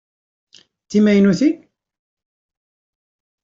D timaynutin?